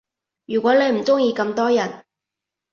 如果你唔鐘意咁多人